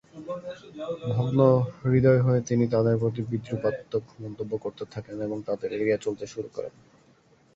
ভগ্নহৃদয় হয়ে তিনি তাঁদের প্রতি বিদ্রুপাত্মক মন্তব্য করতে থাকেন এবং তাঁদের এড়িয়ে চলতে শুরু করেন।